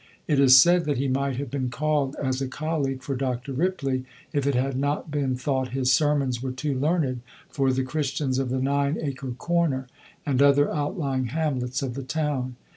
It is said that he might have been called as a colleague for Dr. Ripley, if it had not been thought his sermons were too learned for the Christians of the Nine Acre Corner and other outlying hamlets of the town.